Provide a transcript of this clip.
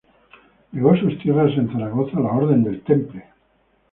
Legó sus tierras en Zaragoza a la Orden del Temple.